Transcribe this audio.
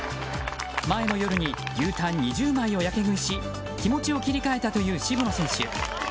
前の夜に牛タン２０枚をやけ食いし気持ちを切り替えたという渋野選手。